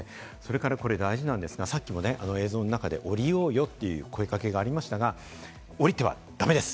それから大事なんですが、さっきも映像の中で「降りようよ」という声かけがありましたが、降りてはだめです。